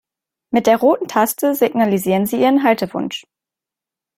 Mit der roten Taste signalisieren Sie Ihren Haltewunsch.